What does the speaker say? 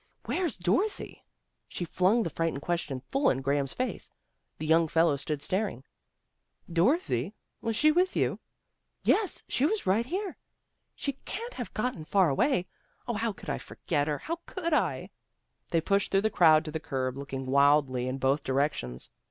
" Where's Dorothy? " She flung the frightened question full in Graham's face. The young fellow stood staring. " Dorothy? Was she with you? " DOROTHY GOES SHOPPING 195 " Yes. She was right here. She can't have gotten far away. O, how could I forget her? How could I? " They pushed through the crowd to the curb, looking wildly in both directions.